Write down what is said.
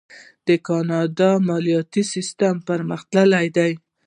د کاناډا مالیاتي سیستم پرمختللی دی.